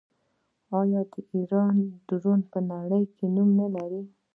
آیا د ایران ډرون په نړۍ کې نوم نلري؟